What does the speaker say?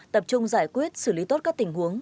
tập trung giải quyết xử lý tốt các tình huống